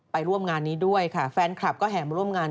ร่วมงานนี้ด้วยค่ะแฟนคลับก็แห่มาร่วมงาน